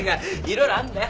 色々あんだよ。